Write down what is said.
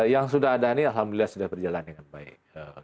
yang sudah ada ini alhamdulillah sudah berjalan dengan baik